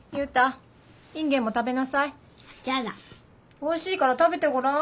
おいしいから食べてごらん。